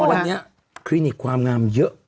ทุกวันเนี่ยคลินิกความงามเยอะ